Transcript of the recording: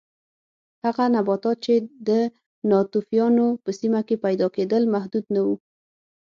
هغه نباتات چې د ناتوفیانو په سیمه کې پیدا کېدل محدود نه و